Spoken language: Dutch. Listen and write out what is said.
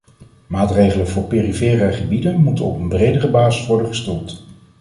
Maatregelen voor perifere gebieden moeten op een bredere basis worden gestoeld.